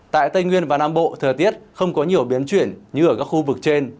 tại tây nguyên và nam bộ thời tiết không có nhiều biến chuyển như ở các khu vực trên